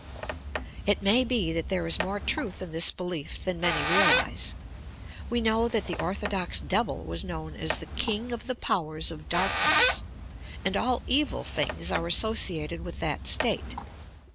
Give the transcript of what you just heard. It may be that there is more truth in this belief than many realize. We know that the orthodox devil was known as "The King of the Powers of Darkness." and all evil things are a.ssociated with that state.